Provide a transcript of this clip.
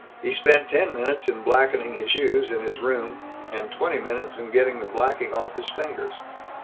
He spent ten minutes in blacking his shoes, in his room and twenty minutes in getting the blacking off his fingers.